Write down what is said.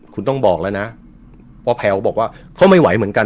คุณต้องบอกแล้วนะพ่อแพลวบอกว่าก็ไม่ไหวเหมือนกัน